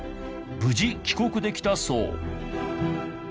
無事帰国できたそう。